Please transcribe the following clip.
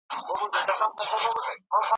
که استاد په املا کي د اخلاقي کیسو یادونه وکړي.